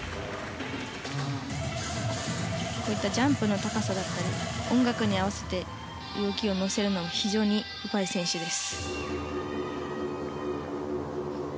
こういったジャンプの高さだったり、音楽に合わせて動きを乗せるのも非常にうまい選手です。